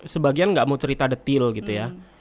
sebagian nggak mau cerita detail gitu ya